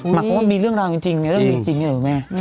หมายความว่ามีเรื่องราวจริงในเรื่องนี้จริงเหรอแม่